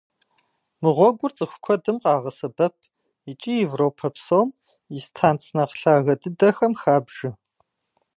Мы гъуэгур цӀыху куэдым къагъэсэбэп икӀи Европэ псом и станц нэхъ лъагэ дыдэхэм хабжэ.